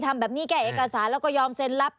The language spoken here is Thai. ทำแบบนี้แก้เอกสารแล้วก็ยอมเซ็นรับ